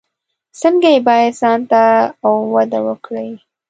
څنګه یې باید ساتنه او وده وکړي.